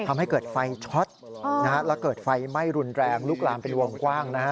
ทำให้เกิดไฟช็อตและเกิดไฟไหม้รุนแรงลุกลามเป็นวงกว้างนะฮะ